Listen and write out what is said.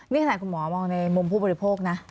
นี่ขนาดคุณหมอมองในมุมผู้บริโภคนะ